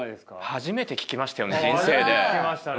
初めて聞きましたよね人生で。